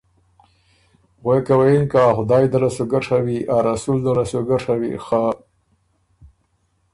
غوېکه وه یِن که ا خدایٛ ده له سُو ګۀ ڒوی، ا رسول ده له سو ګۀ ڒوی خه